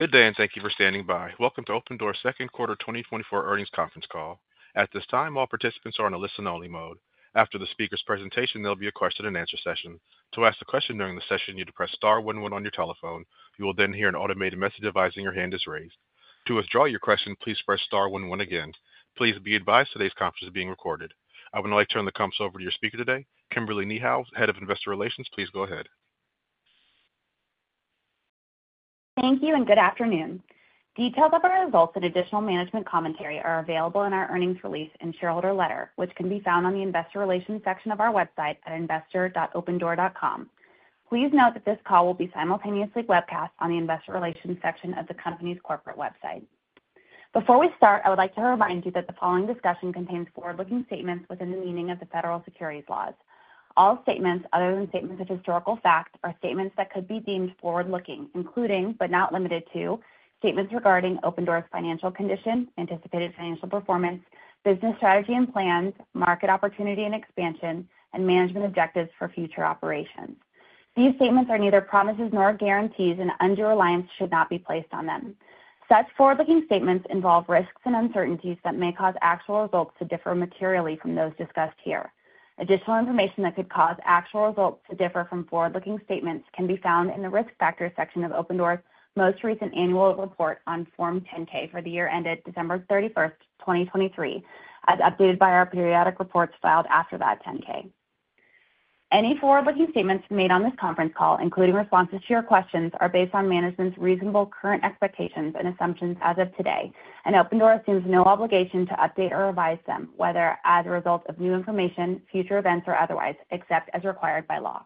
Good day, and thank you for standing by. Welcome to Opendoor's second quarter 2024 earnings conference call. At this time, all participants are in a listen-only mode. After the speaker's presentation, there'll be a question-and-answer session. To ask a question during the session, you need to press star 11 on your telephone. You will then hear an automated message advising your hand is raised. To withdraw your question, please press star one one again. Please be advised today's conference is being recorded. I would now like to turn the call over to your speaker today, Kimberly Niehaus, head of investor relations. Please go ahead. Thank you, and good afternoon. Details of our results and additional management commentary are available in our earnings release and shareholder letter, which can be found on the investor relations section of our website at investor.opendoor.com. Please note that this call will be simultaneously webcast on the investor relations section of the company's corporate website. Before we start, I would like to remind you that the following discussion contains forward-looking statements within the meaning of the federal securities laws. All statements, other than statements of historical fact, are statements that could be deemed forward-looking, including, but not limited to, statements regarding Opendoor's financial condition, anticipated financial performance, business strategy and plans, market opportunity and expansion, and management objectives for future operations. These statements are neither promises nor guarantees, and undue reliance should not be placed on them. Such forward-looking statements involve risks and uncertainties that may cause actual results to differ materially from those discussed here. Additional information that could cause actual results to differ from forward-looking statements can be found in the risk factor section of Opendoor's most recent annual report on Form 10-K for the year ended December 31st, 2023, as updated by our periodic reports filed after that 10-K. Any forward-looking statements made on this conference call, including responses to your questions, are based on management's reasonable current expectations and assumptions as of today, and Opendoor assumes no obligation to update or revise them, whether as a result of new information, future events, or otherwise, except as required by law.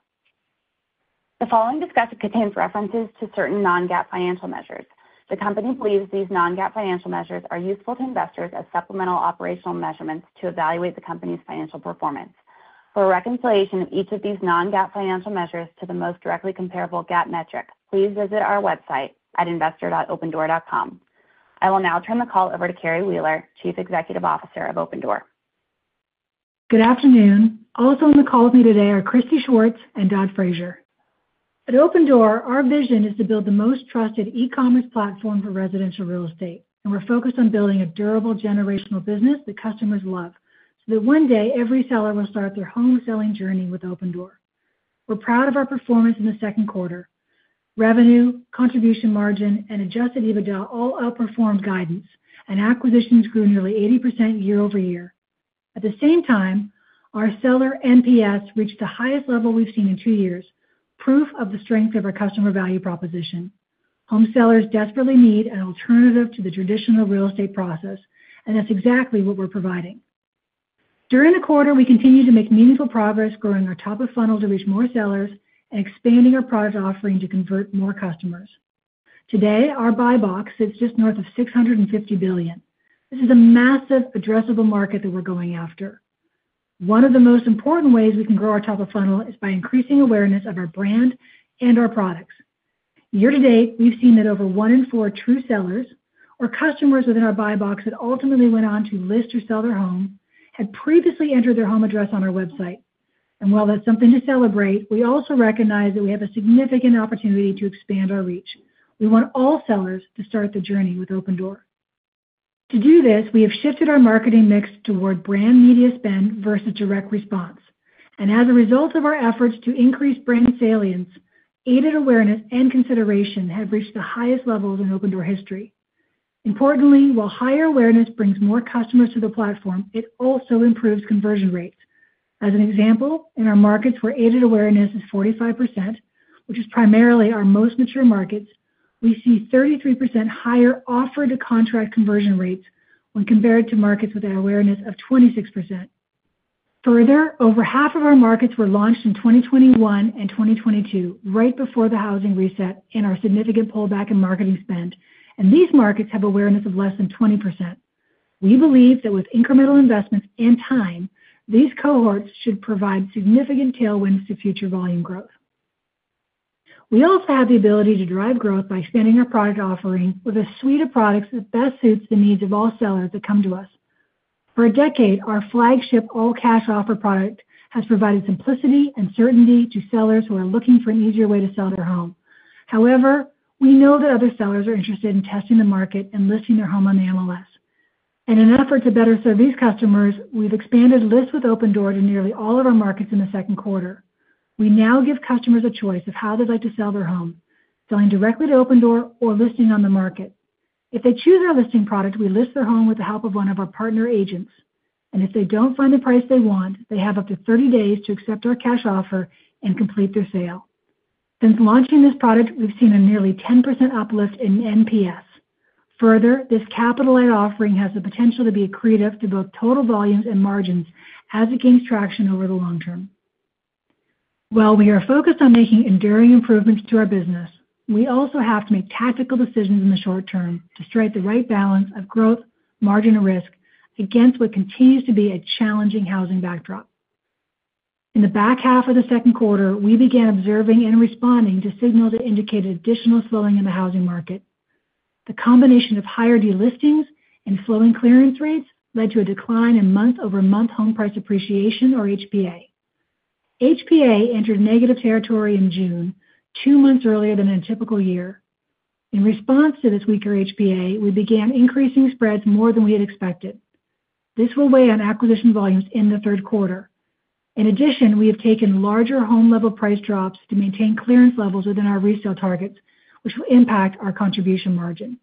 The following discussion contains references to certain non-GAAP financial measures. The company believes these non-GAAP financial measures are useful to investors as supplemental operational measurements to evaluate the company's financial performance. For reconciliation of each of these non-GAAP financial measures to the most directly comparable GAAP metric, please visit our website at investor.opendoor.com. I will now turn the call over to Carrie Wheeler, Chief Executive Officer of Opendoor. Good afternoon. Also on the call with me today are Christy Schwartz and Dod Fraser. At Opendoor, our vision is to build the most trusted e-commerce platform for residential real estate, and we're focused on building a durable generational business that customers love so that one day every seller will start their home selling journey with Opendoor. We're proud of our performance in the second quarter. Revenue, contribution margin, and adjusted EBITDA all outperformed guidance, and acquisitions grew nearly 80% year-over-year. At the same time, our seller NPS reached the highest level we've seen in two years, proof of the strength of our customer value proposition. Home sellers desperately need an alternative to the traditional real estate process, and that's exactly what we're providing. During the quarter, we continue to make meaningful progress, growing our top-of-funnel to reach more sellers and expanding our product offering to convert more customers. Today, our buy box sits just north of $650 billion. This is a massive, addressable market that we're going after. One of the most important ways we can grow our top-of-funnel is by increasing awareness of our brand and our products. Year to date, we've seen that over one in four true sellers or customers within our buy box that ultimately went on to list or sell their home had previously entered their home address on our website. And while that's something to celebrate, we also recognize that we have a significant opportunity to expand our reach. We want all sellers to start the journey with Opendoor. To do this, we have shifted our marketing mix toward brand media spend versus direct response. As a result of our efforts to increase brand salience, aided awareness, and consideration have reached the highest levels in Opendoor history. Importantly, while higher awareness brings more customers to the platform, it also improves conversion rates. As an example, in our markets where aided awareness is 45%, which is primarily our most mature markets, we see 33% higher offer-to-contract conversion rates when compared to markets with an awareness of 26%. Further, over half of our markets were launched in 2021 and 2022, right before the housing reset and our significant pullback in marketing spend, and these markets have awareness of less than 20%. We believe that with incremental investments and time, these cohorts should provide significant tailwinds to future volume growth. We also have the ability to drive growth by expanding our product offering with a suite of products that best suits the needs of all sellers that come to us. For a decade, our flagship all-cash offer product has provided simplicity and certainty to sellers who are looking for an easier way to sell their home. However, we know that other sellers are interested in testing the market and listing their home on the MLS. In an effort to better serve these customers, we've expanded List with Opendoor to nearly all of our markets in the second quarter. We now give customers a choice of how they'd like to sell their home, selling directly to Opendoor or listing on the market. If they choose our listing product, we list their home with the help of one of our partner agents. If they don't find the price they want, they have up to 30 days to accept our cash offer and complete their sale. Since launching this product, we've seen a nearly 10% uplift in NPS. Further, this capital-light offering has the potential to be accretive to both total volumes and margins as it gains traction over the long term. While we are focused on making enduring improvements to our business, we also have to make tactical decisions in the short term to strike the right balance of growth, margin, and risk against what continues to be a challenging housing backdrop. In the back half of the second quarter, we began observing and responding to signals that indicated additional slowing in the housing market. The combination of higher delistings and slowing clearance rates led to a decline in month-over-month home price appreciation, or HPA. HPA entered negative territory in June, two months earlier than a typical year. In response to this weaker HPA, we began increasing spreads more than we had expected. This will weigh on acquisition volumes in the third quarter. In addition, we have taken larger home-level price drops to maintain clearance levels within our resale targets, which will impact our contribution margin.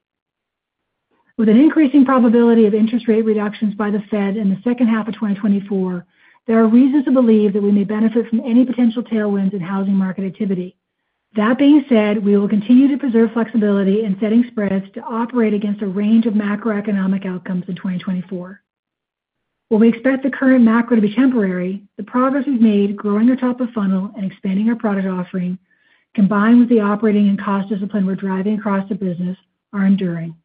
With an increasing probability of interest rate reductions by the Fed in the second half of 2024, there are reasons to believe that we may benefit from any potential tailwinds in housing market activity. That being said, we will continue to preserve flexibility in setting spreads to operate against a range of macroeconomic outcomes in 2024. While we expect the current macro to be temporary, the progress we've made growing our top-of-funnel and expanding our product offering, combined with the operating and cost discipline we're driving across the business, are enduring.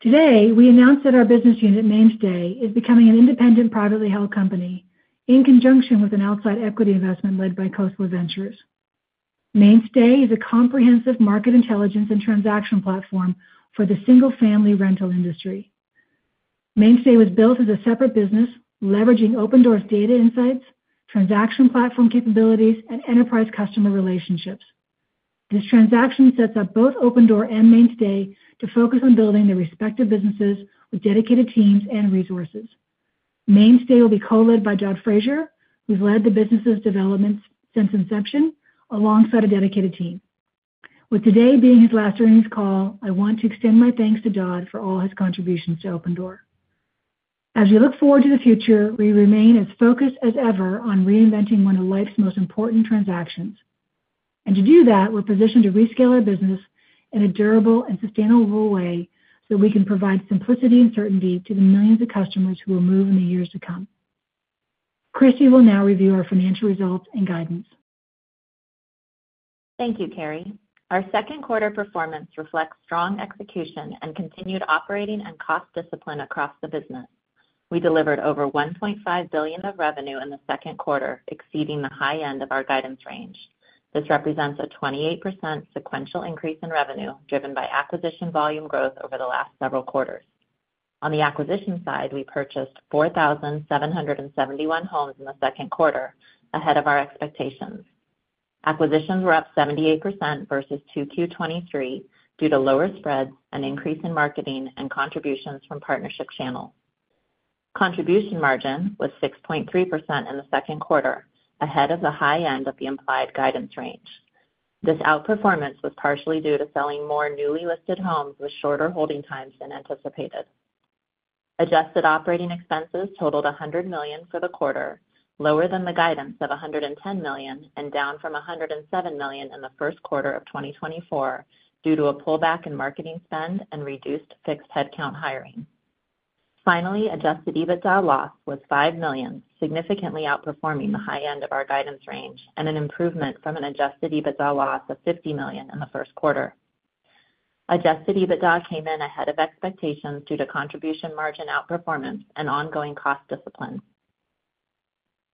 Today, we announced that our business unit, Mainstay, is becoming an independent privately held company in conjunction with an outside equity investment led by Coatue Ventures. Mainstay is a comprehensive market intelligence and transaction platform for the single-family rental industry. Mainstay was built as a separate business, leveraging Opendoor's data insights, transaction platform capabilities, and enterprise customer relationships. This transaction sets up both Opendoor and Mainstay to focus on building their respective businesses with dedicated teams and resources. Mainstay will be co-led by Dod Fraser, who's led the business's developments since inception alongside a dedicated team. With today being his last earnings call, I want to extend my thanks to Dod for all his contributions to Opendoor. As we look forward to the future, we remain as focused as ever on reinventing one of life's most important transactions. To do that, we're positioned to rescale our business in a durable and sustainable way so that we can provide simplicity and certainty to the millions of customers who will move in the years to come. Christy will now review our financial results and guidance. Thank you, Carrie. Our second quarter performance reflects strong execution and continued operating and cost discipline across the business. We delivered over $1.5 billion of revenue in the second quarter, exceeding the high end of our guidance range. This represents a 28% sequential increase in revenue driven by acquisition volume growth over the last several quarters. On the acquisition side, we purchased 4,771 homes in the second quarter ahead of our expectations. Acquisitions were up 78% versus Q2 2023 due to lower spreads and increase in marketing and contributions from partnership channels. Contribution margin was 6.3% in the second quarter, ahead of the high end of the implied guidance range. This outperformance was partially due to selling more newly listed homes with shorter holding times than anticipated. Adjusted operating expenses totaled $100 million for the quarter, lower than the guidance of $110 million and down from $107 million in the first quarter of 2024 due to a pullback in marketing spend and reduced fixed headcount hiring. Finally, adjusted EBITDA loss was $5 million, significantly outperforming the high end of our guidance range and an improvement from an adjusted EBITDA loss of $50 million in the first quarter. Adjusted EBITDA came in ahead of expectations due to contribution margin outperformance and ongoing cost discipline.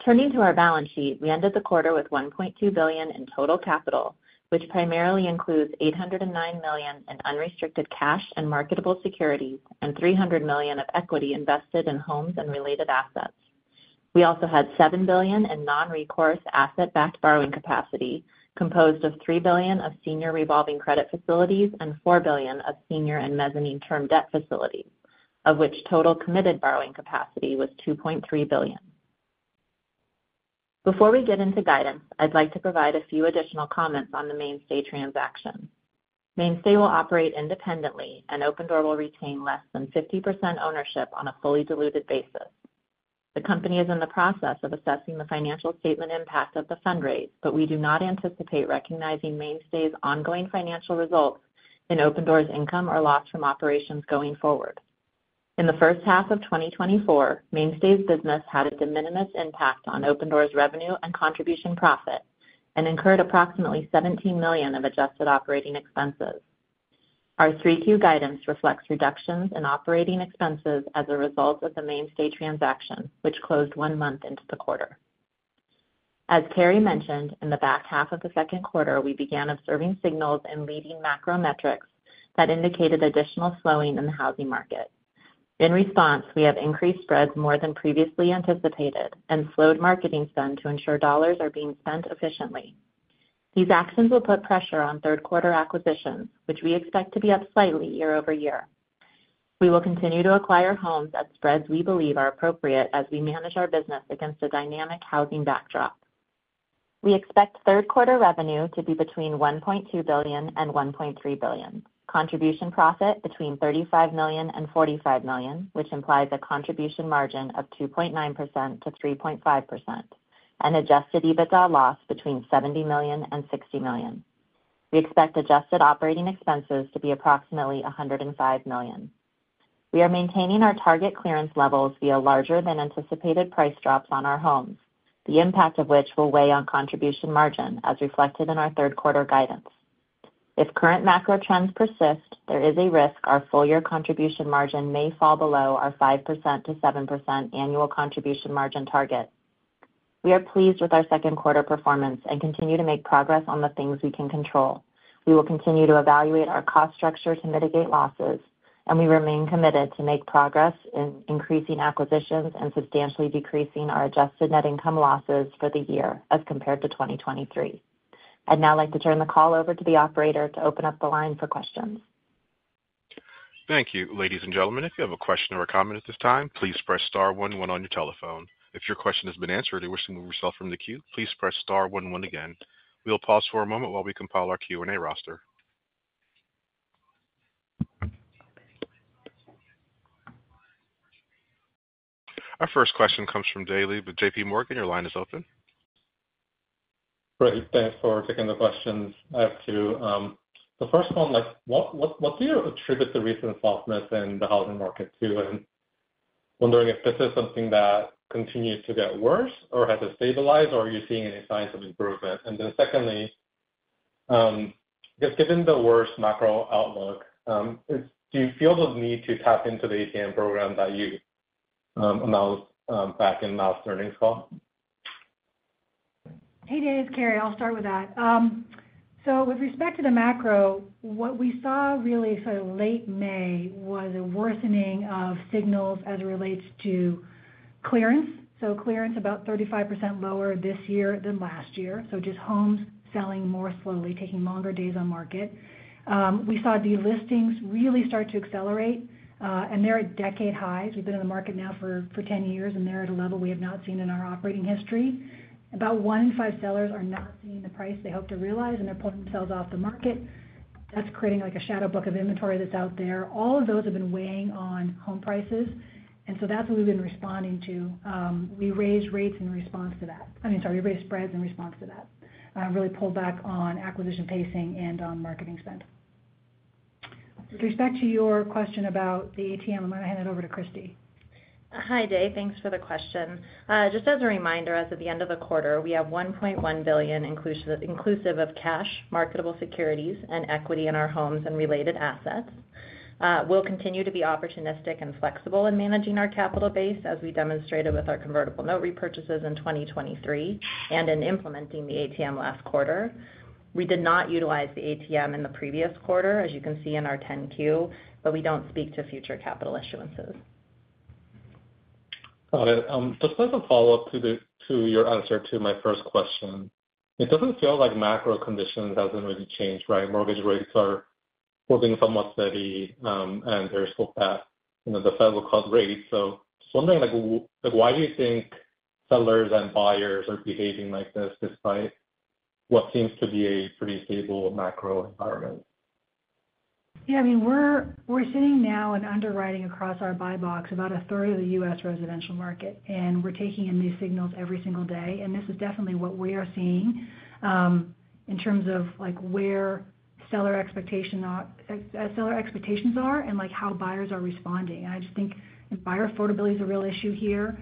Turning to our balance sheet, we ended the quarter with $1.2 billion in total capital, which primarily includes $809 million in unrestricted cash and marketable securities and $300 million of equity invested in homes and related assets. We also had $7 billion in non-recourse asset-backed borrowing capacity composed of $3 billion of senior revolving credit facilities and $4 billion of senior and mezzanine term debt facilities, of which total committed borrowing capacity was $2.3 billion. Before we get into guidance, I'd like to provide a few additional comments on the Mainstay transaction. Mainstay will operate independently, and Opendoor will retain less than 50% ownership on a fully diluted basis. The company is in the process of assessing the financial statement impact of the fundraise, but we do not anticipate recognizing Mainstay's ongoing financial results in Opendoor's income or loss from operations going forward. In the first half of 2024, Mainstay's business had a de minimis impact on Opendoor's revenue and contribution profit and incurred approximately $17 million of adjusted operating expenses. Our 3Q guidance reflects reductions in operating expenses as a result of the Mainstay transaction, which closed one month into the quarter. As Carrie mentioned, in the back half of the second quarter, we began observing signals in leading macro metrics that indicated additional slowing in the housing market. In response, we have increased spreads more than previously anticipated and slowed marketing spend to ensure dollars are being spent efficiently. These actions will put pressure on third-quarter acquisitions, which we expect to be up slightly year-over-year. We will continue to acquire homes at spreads we believe are appropriate as we manage our business against a dynamic housing backdrop. We expect third-quarter revenue to be between $1.2 billion and $1.3 billion, contribution profit between $35 million and $45 million, which implies a contribution margin of 2.9%-3.5%, and adjusted EBITDA loss between $70 million and $60 million. We expect adjusted operating expenses to be approximately $105 million. We are maintaining our target clearance levels via larger-than-anticipated price drops on our homes, the impact of which will weigh on contribution margin as reflected in our third-quarter guidance. If current macro trends persist, there is a risk our full-year contribution margin may fall below our 5%-7% annual contribution margin target. We are pleased with our second quarter performance and continue to make progress on the things we can control. We will continue to evaluate our cost structure to mitigate losses, and we remain committed to make progress in increasing acquisitions and substantially decreasing our adjusted net income losses for the year as compared to 2023. I'd now like to turn the call over to the operator to open up the line for questions. Thank you, ladies and gentlemen. If you have a question or a comment at this time, please press star 1 when on your telephone. If your question has been answered or you wish to move yourself from the queue, please press star 1 again. We'll pause for a moment while we compile our Q&A roster. Our first question comes from Dae Lee with JPMorgan. Your line is open. Great. Thanks for taking the questions. I have two. The first one, what do you attribute the recent softness in the housing market to? And wondering if this is something that continues to get worse or has it stabilized, or are you seeing any signs of improvement? And then secondly, just given the worst macro outlook, do you feel the need to tap into the ATM program that you announced back in last earnings call? Hey, Dae Lee. It's Carrie. I'll start with that. So with respect to the macro, what we saw really sort of late May was a worsening of signals as it relates to clearance. So clearance about 35% lower this year than last year. So just homes selling more slowly, taking longer days on market. We saw delistings really start to accelerate, and they're at decade highs. We've been in the market now for 10 years, and they're at a level we have not seen in our operating history. About one in five sellers are not seeing the price they hope to realize, and they're pulling themselves off the market. That's creating like a shadow book of inventory that's out there. All of those have been weighing on home prices. And so that's what we've been responding to. We raised rates in response to that. I mean, sorry, we raised spreads in response to that. Really pulled back on acquisition pacing and on marketing spend. With respect to your question about the ATM, I'm going to hand it over to Christy. Hi, Dae Lee. Thanks for the question. Just as a reminder, as of the end of the quarter, we have $1.1 billion inclusive of cash, marketable securities, and equity in our homes and related assets. We'll continue to be opportunistic and flexible in managing our capital base as we demonstrated with our convertible note repurchases in 2023 and in implementing the ATM last quarter. We did not utilize the ATM in the previous quarter, as you can see in our 10-Q, but we don't speak to future capital issuances. Got it. Just as a follow-up to your answer to my first question, it doesn't feel like macro conditions haven't really changed, right? Mortgage rates are holding somewhat steady, and there's hope that the Fed will cut rates. So just wondering, why do you think sellers and buyers are behaving like this despite what seems to be a pretty stable macro environment? Yeah, I mean, we're sitting now and underwriting across our buy box about a third of the U.S. residential market, and we're taking in these signals every single day. And this is definitely what we are seeing in terms of where seller expectations are and how buyers are responding. And I just think buyer affordability is a real issue here.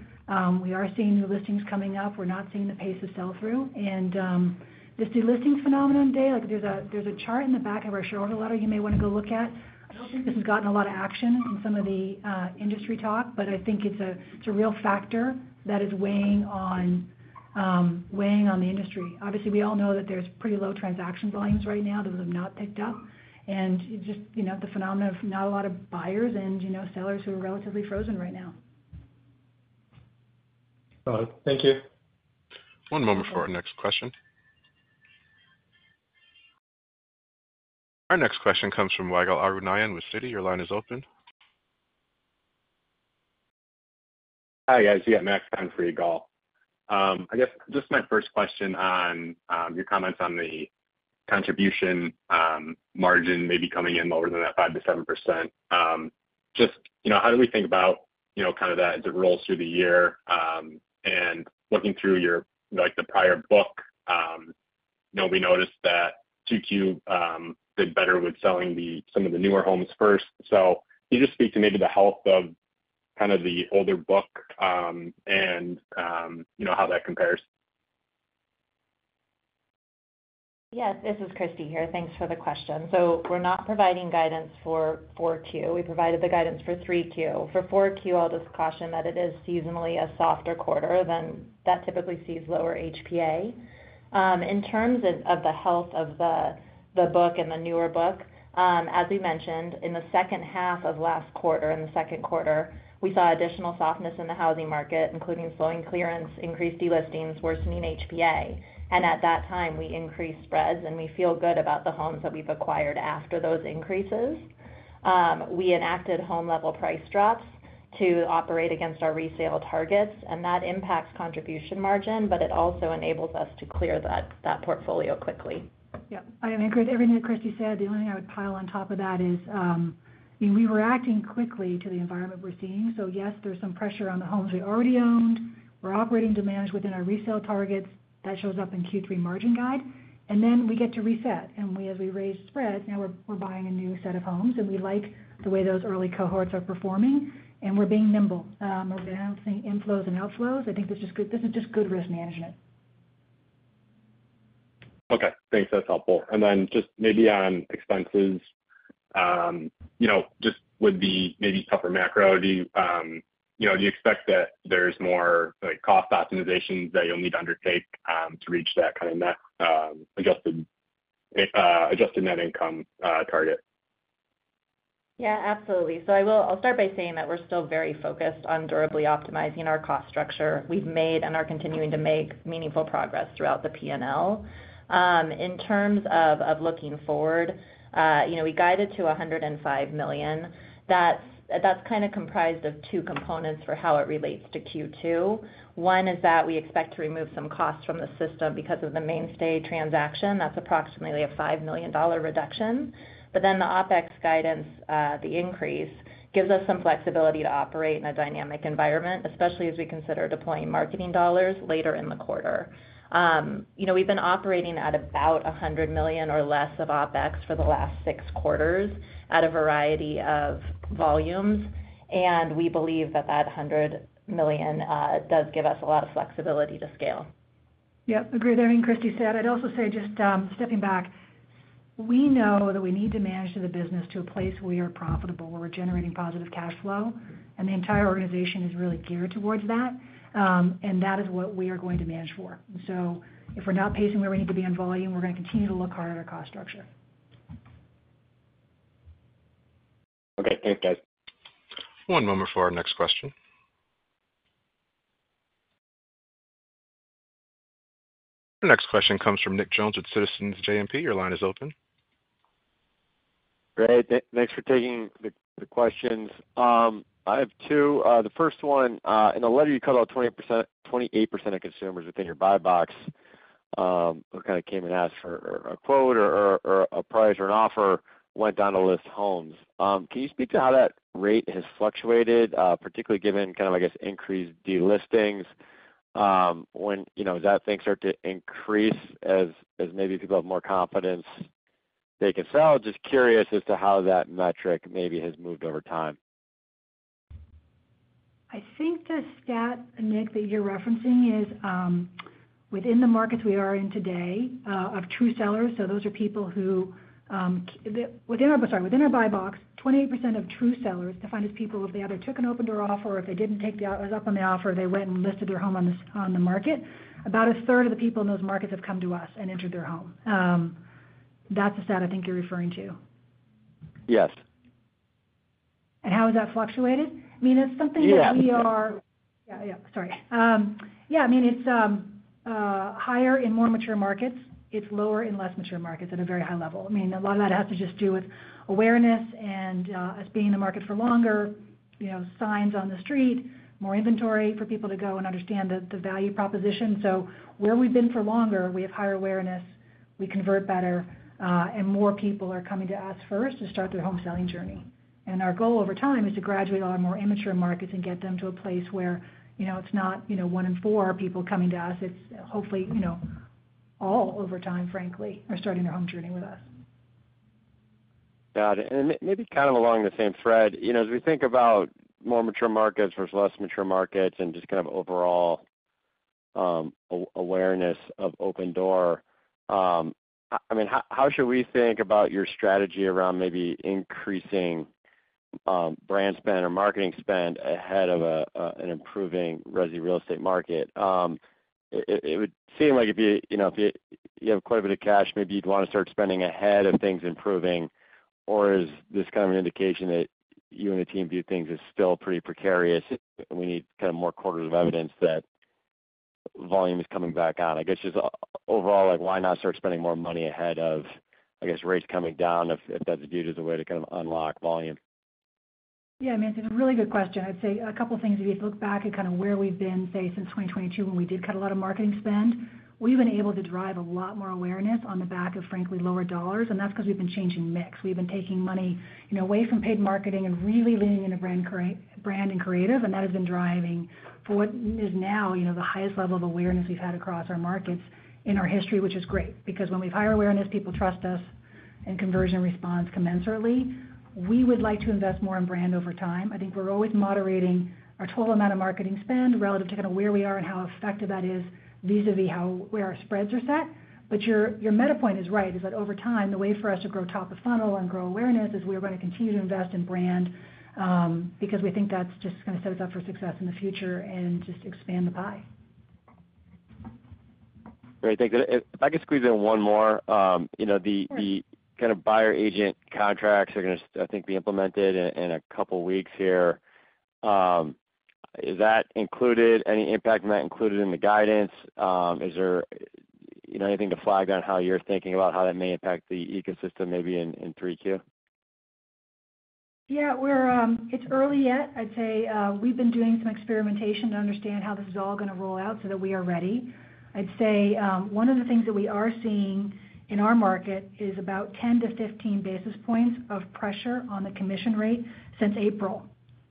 We are seeing new listings coming up. We're not seeing the pace of sell-through. And this delisting phenomenon, Dae Lee, there's a chart in the back of our shareholder letter you may want to go look at. I don't think this has gotten a lot of action in some of the industry talk, but I think it's a real factor that is weighing on the industry. Obviously, we all know that there's pretty low transaction volumes right now. Those have not picked up. Just the phenomenon of not a lot of buyers and sellers who are relatively frozen right now. Got it. Thank you. One moment for our next question. Our next question comes from Ygal Arounian with Citi. Your line is open. Hi, guys. Yeah, Max Downe for Ygal. I guess just my first question on your comments on the contribution margin maybe coming in lower than that 5%-7%. Just how do we think about kind of that as it rolls through the year? And looking through the prior book, we noticed that 2Q did better with selling some of the newer homes first. So can you just speak to maybe the health of kind of the older book and how that compares? Yes, this is Christy here. Thanks for the question. So we're not providing guidance for 4Q. We provided the guidance for 3Q. For 4Q, I'll just caution that it is seasonally a softer quarter than that typically sees lower HPA. In terms of the health of the book and the newer book, as we mentioned, in the second half of last quarter, in the second quarter, we saw additional softness in the housing market, including slowing clearance, increased delistings, worsening HPA. And at that time, we increased spreads, and we feel good about the homes that we've acquired after those increases. We enacted home-level price drops to operate against our resale targets, and that impacts contribution margin, but it also enables us to clear that portfolio quickly. Yep. I agree with everything that Christy said. The only thing I would pile on top of that is we were acting quickly to the environment we're seeing. So yes, there's some pressure on the homes we already owned. We're operating demand within our resale targets. That shows up in Q3 margin guide. And then we get to reset. And as we raise spreads, now we're buying a new set of homes, and we like the way those early cohorts are performing, and we're being nimble. I don't think inflows and outflows. I think this is just good risk management. Okay. Thanks. That's helpful. And then just maybe on expenses, just with the maybe tougher macro, do you expect that there's more cost optimizations that you'll need to undertake to reach that kind of adjusted net income target? Yeah, absolutely. So I'll start by saying that we're still very focused on durably optimizing our cost structure. We've made and are continuing to make meaningful progress throughout the P&L. In terms of looking forward, we guided to $105 million. That's kind of comprised of two components for how it relates to Q2. One is that we expect to remove some costs from the system because of the Mainstay transaction. That's approximately a $5 million reduction. But then the OpEx guidance, the increase, gives us some flexibility to operate in a dynamic environment, especially as we consider deploying marketing dollars later in the quarter. We've been operating at about $100 million or less of OpEx for the last six quarters at a variety of volumes, and we believe that that $100 million does give us a lot of flexibility to scale. Yep. Agree with everything Christy said. I'd also say just stepping back, we know that we need to manage the business to a place where we are profitable, where we're generating positive cash flow, and the entire organization is really geared towards that. And that is what we are going to manage for. And so if we're not pacing where we need to be in volume, we're going to continue to look hard at our cost structure. Okay. Thanks, guys. One moment for our next question. The next question comes from Nick Jones with Citizens JMP. Your line is open. Great. Thanks for taking the questions. I have two. The first one, in the letter you cut out 28% of consumers within your buy box who kind of came and asked for a quote or a price or an offer went down to list homes. Can you speak to how that rate has fluctuated, particularly given kind of, I guess, increased delistings? When does that thing start to increase as maybe people have more confidence they can sell? Just curious as to how that metric maybe has moved over time. I think the stat, Nick, that you're referencing is within the markets we are in today of true sellers. So those are people who within our buy box, 28% of true sellers defined as people if they either took an Opendoor offer or if they didn't take up on the offer, they went and listed their home on the market. About a third of the people in those markets have come to us and entered their home. That's the stat I think you're referring to. Yes. How has that fluctuated? I mean, that's something that we are. Yes. I mean, it's higher in more mature markets. It's lower in less mature markets at a very high level. I mean, a lot of that has to just do with awareness and us being in the market for longer, signs on the street, more inventory for people to go and understand the value proposition. So where we've been for longer, we have higher awareness, we convert better, and more people are coming to us first to start their home selling journey. And our goal over time is to graduate a lot more immature markets and get them to a place where it's not one in four people coming to us. It's hopefully all over time, frankly, are starting their home journey with us. Got it. And maybe kind of along the same thread, as we think about more mature markets versus less mature markets and just kind of overall awareness of Opendoor, I mean, how should we think about your strategy around maybe increasing brand spend or marketing spend ahead of an improving resi real estate market? It would seem like if you have quite a bit of cash, maybe you'd want to start spending ahead of things improving. Or is this kind of an indication that you and the team view things as still pretty precarious? And we need kind of more quarters of evidence that volume is coming back on. I guess just overall, why not start spending more money ahead of, I guess, rates coming down if that's viewed as a way to kind of unlock volume? Yeah, I mean, it's a really good question. I'd say a couple of things. If you look back at kind of where we've been, say, since 2022 when we did cut a lot of marketing spend, we've been able to drive a lot more awareness on the back of, frankly, lower dollars. And that's because we've been changing mix. We've been taking money away from paid marketing and really leaning into brand and creative. And that has been driving for what is now the highest level of awareness we've had across our markets in our history, which is great. Because when we've higher awareness, people trust us in conversion response commensurately. We would like to invest more in brand over time. I think we're always moderating our total amount of marketing spend relative to kind of where we are and how effective that is vis-à-vis where our spreads are set. But your meta point is right, is that over time, the way for us to grow top of funnel and grow awareness is we're going to continue to invest in brand because we think that's just going to set us up for success in the future and just expand the pie. Great. Thanks. If I could squeeze in one more, the kind of buyer agent contracts are going to, I think, be implemented in a couple of weeks here. Is that included? Any impact on that included in the guidance? Is there anything to flag on how you're thinking about how that may impact the ecosystem maybe in 3Q? Yeah. It's early yet. I'd say we've been doing some experimentation to understand how this is all going to roll out so that we are ready. I'd say one of the things that we are seeing in our market is about 10-15 basis points of pressure on the commission rate since April.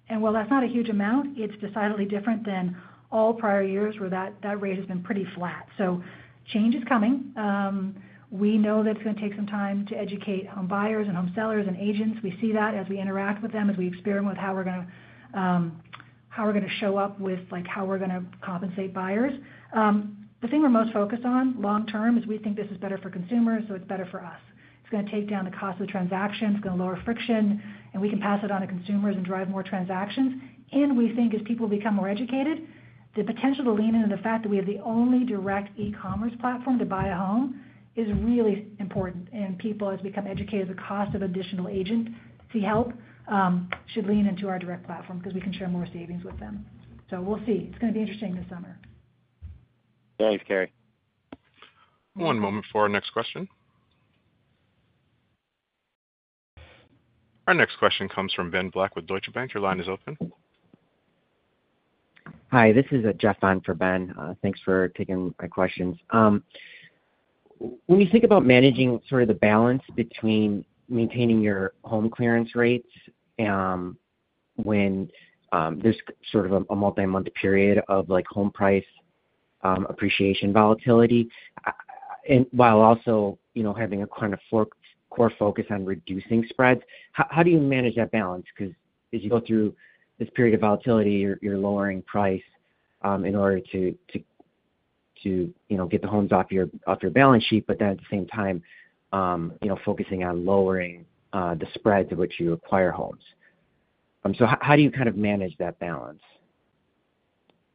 And while that's not a huge amount, it's decidedly different than all prior years where that rate has been pretty flat. So change is coming. We know that it's going to take some time to educate home buyers and home sellers and agents. We see that as we interact with them, as we experiment with how we're going to show up with how we're going to compensate buyers. The thing we're most focused on long-term is we think this is better for consumers, so it's better for us. It's going to take down the cost of the transaction. It's going to lower friction, and we can pass it on to consumers and drive more transactions. We think as people become more educated, the potential to lean into the fact that we have the only direct e-commerce platform to buy a home is really important. People, as we become educated, the cost of additional agent to help should lean into our direct platform because we can share more savings with them. We'll see. It's going to be interesting this summer. Thanks, Kerry. One moment for our next question. Our next question comes from Ben Black with Deutsche Bank. Your line is open. Hi. This is Jeff Downe for Ben. Thanks for taking my questions. When you think about managing sort of the balance between maintaining your home clearance rates when there's sort of a multi-month period of home price appreciation volatility while also having a kind of core focus on reducing spreads, how do you manage that balance? Because as you go through this period of volatility, you're lowering price in order to get the homes off your balance sheet, but then at the same time, focusing on lowering the spreads of which you acquire homes. So how do you kind of manage that balance?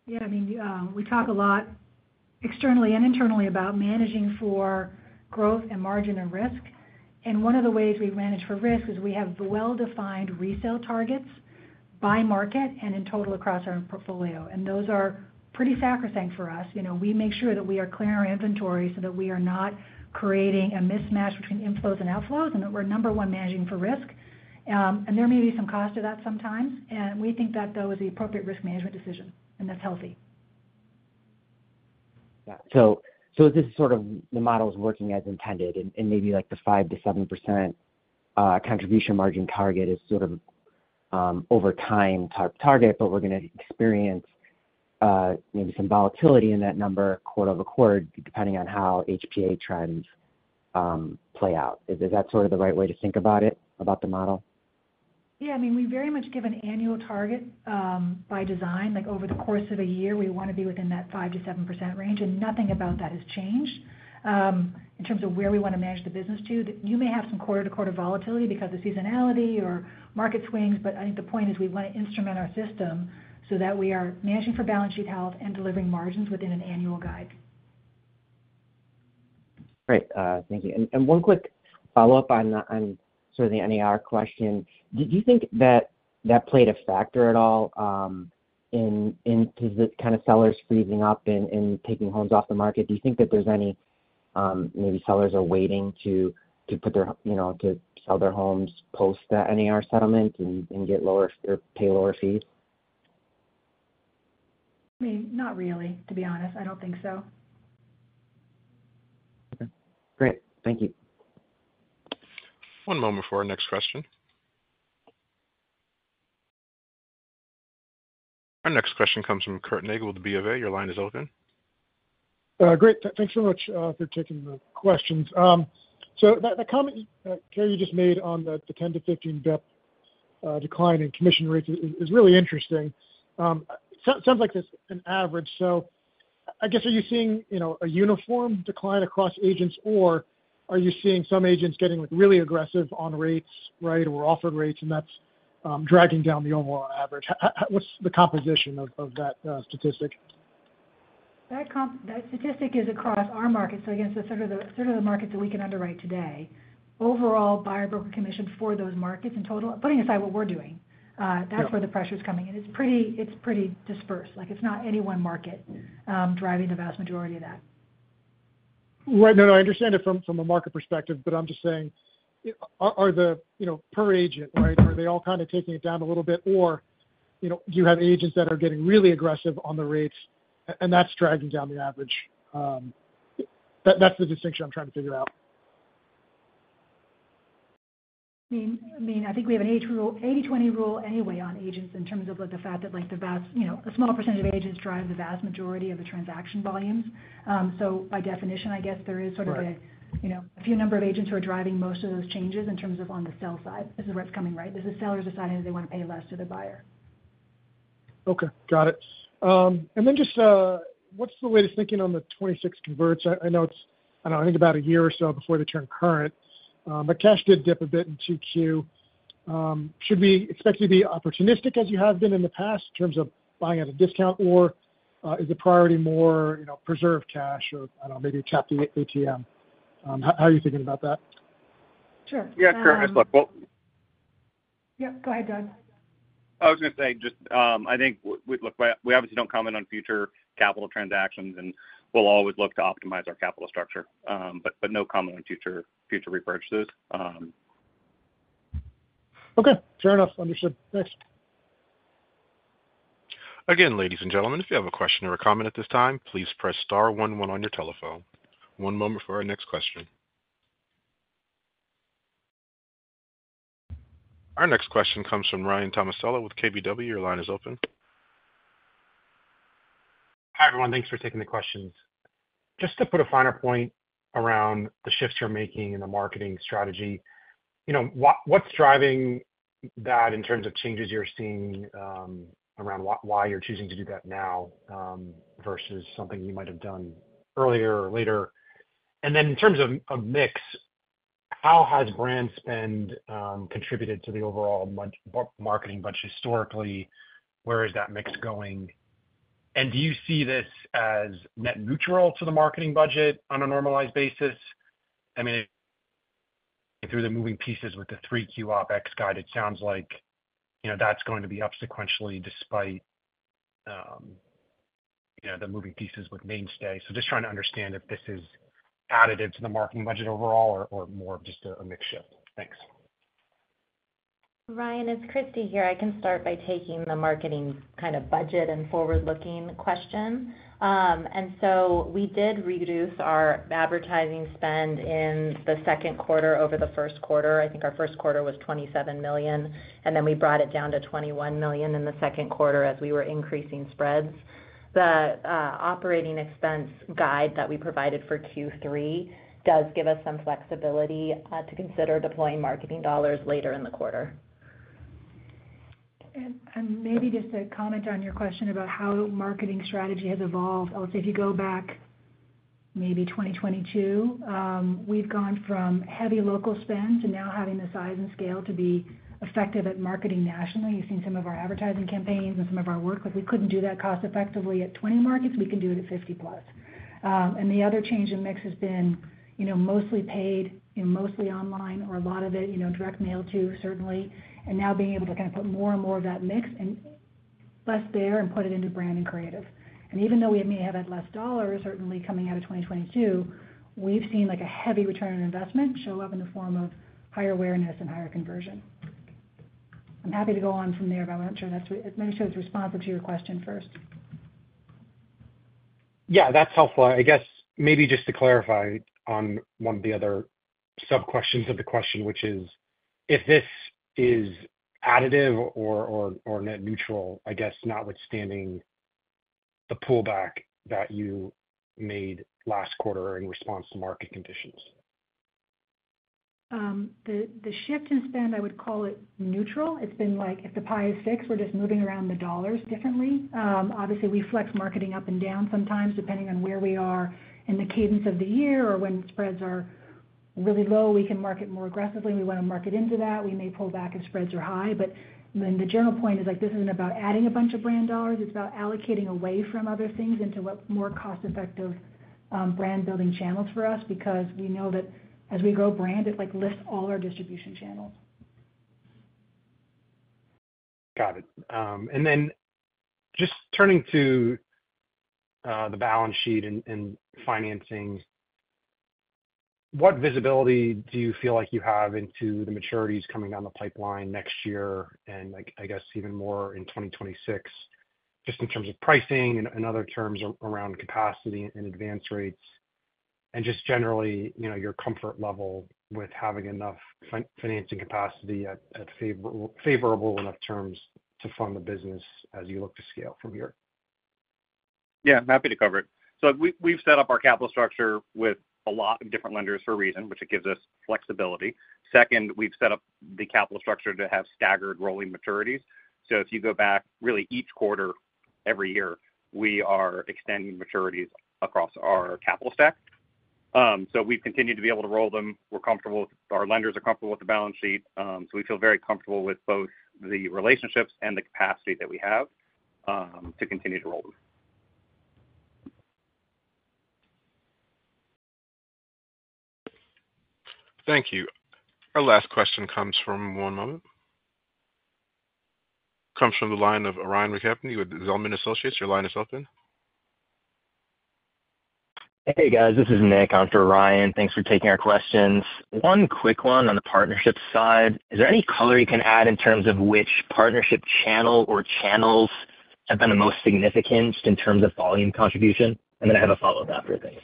Yeah. I mean, we talk a lot externally and internally about managing for growth and margin and risk. And one of the ways we manage for risk is we have well-defined resale targets by market and in total across our portfolio. And those are pretty sacrosanct for us. We make sure that we are clearing our inventory so that we are not creating a mismatch between inflows and outflows and that we're number one managing for risk. And there may be some cost to that sometimes. And we think that, though, is the appropriate risk management decision, and that's healthy. Yeah. So this is sort of the model is working as intended, and maybe the 5%-7% contribution margin target is sort of over time target, but we're going to experience maybe some volatility in that number quarter over quarter depending on how HPA trends play out. Is that sort of the right way to think about it, about the model? Yeah. I mean, we very much give an annual target by design. Over the course of a year, we want to be within that 5%-7% range, and nothing about that has changed in terms of where we want to manage the business to. You may have some quarter-to-quarter volatility because of seasonality or market swings, but I think the point is we want to instrument our system so that we are managing for balance sheet health and delivering margins within an annual guide. Great. Thank you. And one quick follow-up on sort of the NAR question. Do you think that that played a factor at all into the kind of sellers freezing up and taking homes off the market? Do you think that there's any maybe sellers are waiting to put their to sell their homes post the NAR settlement and get lower or pay lower fees? I mean, not really, to be honest. I don't think so. Okay. Great. Thank you. One moment for our next question. Our next question comes from Curt Nagle with BOA. Your line is open. Great. Thanks so much for taking the questions. So the comment, Carrie, you just made on the 10-15 basis points decline in commission rates is really interesting. It sounds like there's an average. So I guess, are you seeing a uniform decline across agents, or are you seeing some agents getting really aggressive on rates, right, or offered rates, and that's dragging down the overall average? What's the composition of that statistic? That statistic is across our market. So again, so sort of the markets that we can underwrite today, overall buyer broker commission for those markets in total, putting aside what we're doing, that's where the pressure is coming. And it's pretty dispersed. It's not any one market driving the vast majority of that. Right. No, no. I understand it from a market perspective, but I'm just saying, are the per agent, right, are they all kind of taking it down a little bit, or do you have agents that are getting really aggressive on the rates, and that's dragging down the average? That's the distinction I'm trying to figure out. I mean, I think we have an 80/20 rule anyway on agents in terms of the fact that a small percentage of agents drive the vast majority of the transaction volumes. So by definition, I guess there is sort of a few number of agents who are driving most of those changes in terms of on the sell side. This is where it's coming, right? This is sellers deciding that they want to pay less to their buyer. Okay. Got it. And then just what's the way of thinking on the 26 converts? I know it's, I don't know, I think about a year or so before they turn current. But cash did dip a bit in 2Q. Should we expect to be opportunistic as you have been in the past in terms of buying at a discount, or is the priority more preserve cash or, I don't know, maybe tap the ATM? How are you thinking about that? Sure. Yeah, sure. Nice look. Well. Yep. Go ahead, Dod. I was going to say just I think, look, we obviously don't comment on future capital transactions, and we'll always look to optimize our capital structure, but no comment on future repurchases. Okay. Fair enough. Understood. Thanks. Again, ladies and gentlemen, if you have a question or a comment at this time, please press star 11 on your telephone. One moment for our next question. Our next question comes from Ryan Tomasello with KBW. Your line is open. Hi everyone. Thanks for taking the questions. Just to put a finer point around the shifts you're making in the marketing strategy, what's driving that in terms of changes you're seeing around why you're choosing to do that now versus something you might have done earlier or later? And then in terms of a mix, how has brand spend contributed to the overall marketing budget historically? Where is that mix going? And do you see this as net neutral to the marketing budget on a normalized basis? I mean, through the moving pieces with the 3Q OpEx guide, it sounds like that's going to be up sequentially despite the moving pieces with end of day. So just trying to understand if this is additive to the marketing budget overall or more of just a mixed shift. Thanks. Ryan, it's Christy here. I can start by taking the marketing kind of budget and forward-looking question. So we did reduce our advertising spend in the second quarter over the first quarter. I think our first quarter was $27 million, and then we brought it down to $21 million in the second quarter as we were increasing spreads. The operating expense guide that we provided for Q3 does give us some flexibility to consider deploying marketing dollars later in the quarter. Maybe just a comment on your question about how marketing strategy has evolved. I'll say if you go back maybe 2022, we've gone from heavy local spend to now having the size and scale to be effective at marketing nationally. You've seen some of our advertising campaigns and some of our work. We couldn't do that cost-effectively at 20 markets. We can do it at 50+. The other change in mix has been mostly paid, mostly online, or a lot of it direct mail too, certainly. Now being able to kind of put more and more of that mix and less there and put it into brand and creative. Even though we may have had less dollars, certainly coming out of 2022, we've seen a heavy return on investment show up in the form of higher awareness and higher conversion. I'm happy to go on from there, but I'm not sure I should have responded to your question first. Yeah, that's helpful. I guess maybe just to clarify on one of the other sub-questions of the question, which is if this is additive or net neutral, I guess notwithstanding the pullback that you made last quarter in response to market conditions. The shift in spend, I would call it neutral. It's been like if the pie is fixed, we're just moving around the dollars differently. Obviously, we flex marketing up and down sometimes depending on where we are in the cadence of the year, or when spreads are really low, we can market more aggressively. We want to market into that. We may pull back if spreads are high. But then the general point is this isn't about adding a bunch of brand dollars. It's about allocating away from other things into more cost-effective brand-building channels for us because we know that as we grow brand, it lifts all our distribution channels. Got it. Then just turning to the balance sheet and financing, what visibility do you feel like you have into the maturities coming down the pipeline next year and I guess even more in 2026, just in terms of pricing and other terms around capacity and advance rates and just generally your comfort level with having enough financing capacity at favorable enough terms to fund the business as you look to scale from here? Yeah. I'm happy to cover it. So we've set up our capital structure with a lot of different lenders for a reason, which gives us flexibility. Second, we've set up the capital structure to have staggered rolling maturities. So if you go back, really each quarter, every year, we are extending maturities across our capital stack. So we've continued to be able to roll them. We're comfortable with our lenders are comfortable with the balance sheet. So we feel very comfortable with both the relationships and the capacity that we have to continue to roll them. Thank you. Our last question comes from the line of Ryan McKeveny with Zelman & Associates. Your line is open. Hey, guys. This is Nick. I'm for Ryan. Thanks for taking our questions. One quick one on the partnership side. Is there any color you can add in terms of which partnership channel or channels have been the most significant in terms of volume contribution? And then I have a follow-up after things.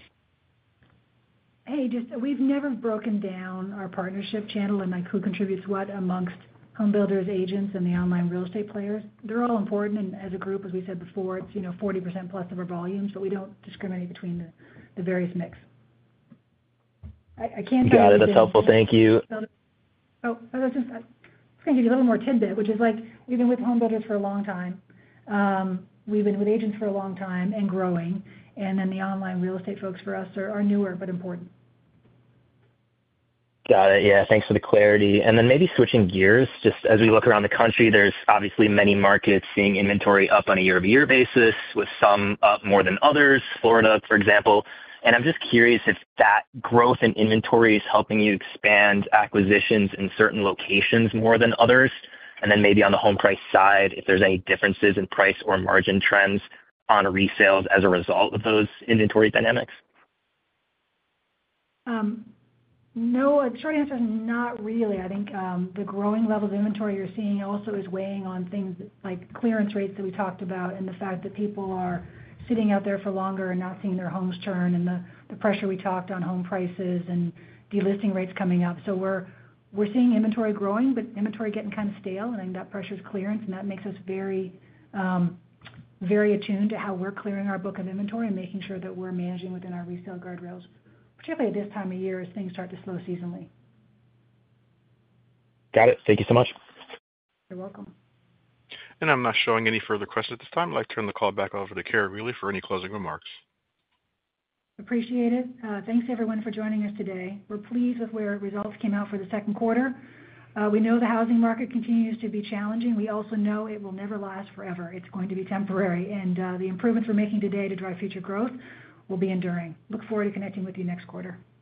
Hey, just we've never broken down our partnership channel and who contributes what amongst homebuilders, agents, and the online real estate players. They're all important. And as a group, as we said before, it's 40%+ of our volumes, but we don't discriminate between the various mix. I can't tell you. You got it. That's helpful. Thank you. Oh, I was just going to give you a little more tidbit, which is we've been with homebuilders for a long time. We've been with agents for a long time and growing. And then the online real estate folks for us are newer but important. Got it. Yeah. Thanks for the clarity. And then maybe switching gears, just as we look around the country, there's obviously many markets seeing inventory up on a year-to-year basis, with some up more than others, Florida, for example. And I'm just curious if that growth in inventory is helping you expand acquisitions in certain locations more than others. And then maybe on the home price side, if there's any differences in price or margin trends on resales as a result of those inventory dynamics? No. Short answer is not really. I think the growing level of inventory you're seeing also is weighing on things like clearance rates that we talked about and the fact that people are sitting out there for longer and not seeing their homes turn and the pressure we talked on home prices and delisting rates coming up. So we're seeing inventory growing, but inventory getting kind of stale, and I think that pressure is clearance, and that makes us very attuned to how we're clearing our book of inventory and making sure that we're managing within our resale guardrails, particularly at this time of year as things start to slow seasonally. Got it. Thank you so much. You're welcome. I'm not showing any further questions at this time. I'd like to turn the call back over to Carrie Wheeler for any closing remarks. Appreciate it. Thanks, everyone, for joining us today. We're pleased with where results came out for the second quarter. We know the housing market continues to be challenging. We also know it will never last forever. It's going to be temporary, and the improvements we're making today to drive future growth will be enduring. Look forward to connecting with you next quarter.